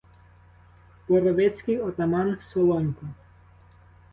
— Боровицький отаман Солонько.